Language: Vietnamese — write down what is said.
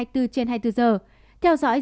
hai mươi bốn trên hai mươi bốn giờ theo dõi